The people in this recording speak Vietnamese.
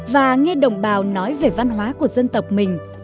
và nghe đồng bào nói về văn hóa của dân tộc mình